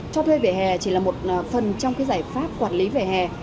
cho thuê vỉa hè chỉ là một phần trong cái giải pháp quản lý vỉa hè